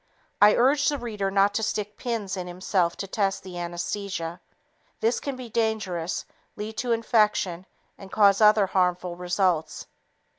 _I urge the reader not to stick pins in himself to test the anesthesia. This can be dangerous, lead to infection and cause other harmful results.